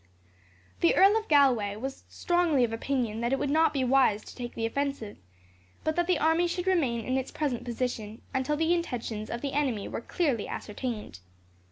The Earl of Galway was strongly of opinion that it would not be wise to take the offensive, but that the army should remain in its present position, until the intentions of the enemy were clearly ascertained.